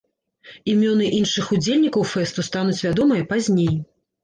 Імёны іншых удзельнікаў фэсту стануць вядомыя пазней.